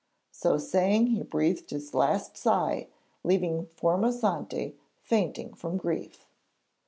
So saying he breathed his last sigh, leaving Formosante fainting from grief.